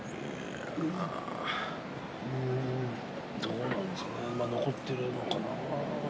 どうなんですかね残っているのかな。